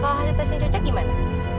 kalau hasil tesnya cocok gimana